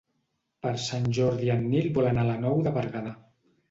Per Sant Jordi en Nil vol anar a la Nou de Berguedà.